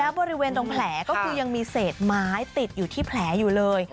บริเวณตรงแผลก็คือยังมีเศษไม้ติดอยู่ที่แผลอยู่เลย